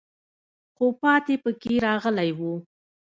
خو پاتې پکې راغلی وو.